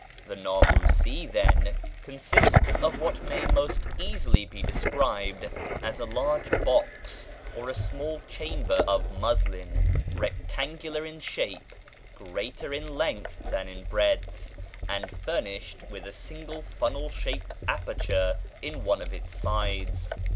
The námúsí, then, consists of what may most easily be described as a large box or small chamber of muslin, rectangular in shape, greater in length than in breadth, and furnished with a single funnel shaped aperture in one of its sides.